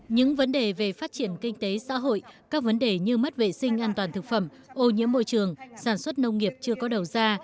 những vấn đề về phát triển kinh tế xã hội các vấn đề như mất vệ sinh an toàn thực phẩm ô nhiễm môi trường sản xuất nông nghiệp chưa có đầu ra